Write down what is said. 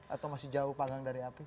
atau masih jauh panggang dari api